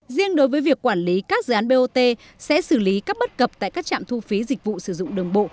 riêng đối với việc quản lý các dự án bot sẽ xử lý các bất cập tại các trạm thu phí dịch vụ sử dụng đường bộ